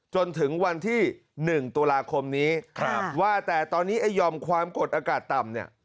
จนถึงวันที่๑ตุลาคมนี้ว่าแต่ตอนนี้ไอ้ยอมความกดอากาศต่ำเนี่ย